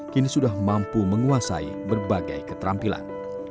kini sudah mampu menguasai berbagai keterampilan